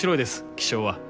気象は。